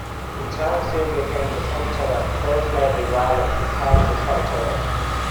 The town soon became the center of pro-slavery violence in Kansas Territory.